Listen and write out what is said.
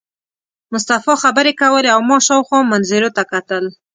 مصطفی خبرې کولې او ما شاوخوا منظرو ته کتل.